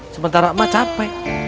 sementara ma capek